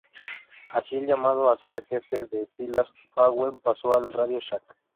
Así, el llamado a ser jefe de filas McEwen pasó al RadioShack.